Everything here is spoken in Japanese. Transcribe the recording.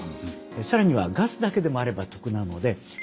更にはガスだけでもあれば得なので燃料電池ですね。